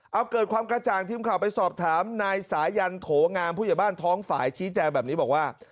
เอาเกิดความกระจ่างทีมข่าวไปสอบถามนายสายันโถงามผู้ใหญ่บ้านท้องฝ่ายชี้แจงแบบนี้บอกว่า